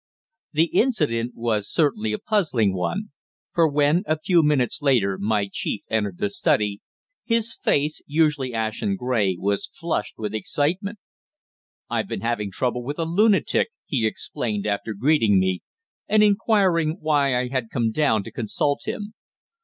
The incident was certainly a puzzling one, for when, a few minutes later, my chief entered the study, his face, usually ashen grey, was flushed with excitement. "I've been having trouble with a lunatic," he explained, after greeting me, and inquiring why I had come down to consult him.